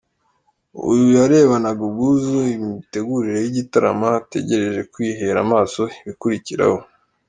Uyu yarebanaga ubwuzu imitegurire y'igitaramo, ategereje kwihera amaso ibikurikiraho.